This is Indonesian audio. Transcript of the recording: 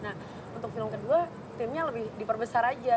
nah untuk film kedua timnya lebih diperbesar aja